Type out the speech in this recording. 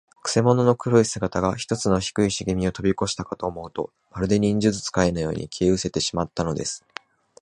くせ者の黒い姿が、ひとつの低いしげみをとびこしたかと思うと、まるで、忍術使いのように、消えうせてしまったのです。